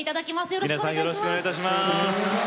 よろしくお願いします。